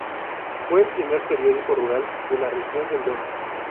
Fue el primer periódico rural de la región del Don.